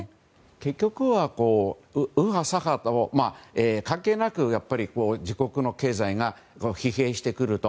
結局は右派、左派関係なく自国の経済が疲弊してくると